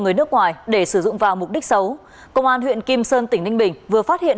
người nước ngoài để sử dụng vào mục đích xấu công an huyện kim sơn tỉnh ninh bình vừa phát hiện